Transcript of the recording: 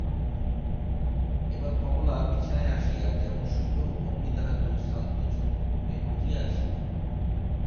এবার কমলা বিছানায় আসিয়া যেমন শুইল অমনি তাহার দুই শ্রান্ত চক্ষু ঘুমে বুজিয়া আসিল।